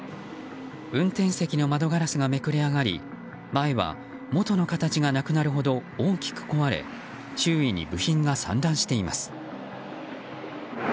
運転席の窓ガラスがめくれ上がり前は元の形がなくなるほど大きく壊れ周囲に部品が散乱しています。